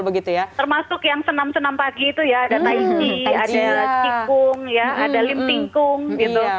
termasuk yang senam senam pagi itu ya ada tai chi ada qigong ada limping kung gitu